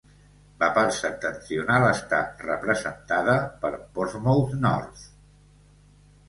La part septentrional està representada per Portsmouth North.